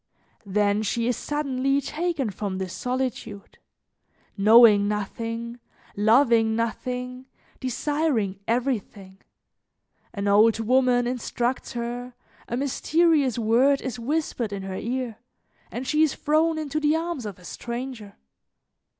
Then she is suddenly taken from this solitude, knowing nothing, loving nothing, desiring everything; an old woman instructs her, a mysterious word is whispered in her ear, and she is thrown into the arms of a stranger.